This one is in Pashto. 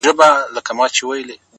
خو موږ د ګټي کار کي سراسر تاوان کړی دی’